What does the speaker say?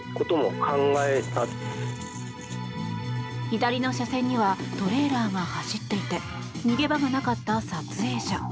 左の車線にはトレーラーが走っていて逃げ場がなかった撮影者。